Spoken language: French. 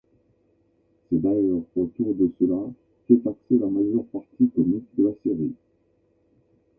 C'est d'ailleurs autour de cela qu'est axée la majeure partie comique de la série.